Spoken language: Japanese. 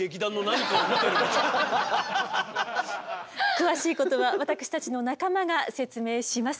詳しいことは私たちの仲間が説明します。